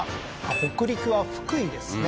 北陸は福井ですね